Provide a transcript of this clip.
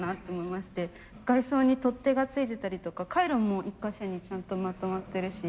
外装に取っ手が付いてたりとか回路も１か所にちゃんとまとまってるし。